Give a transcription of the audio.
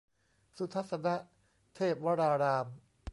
สุทัศนเทพวราราม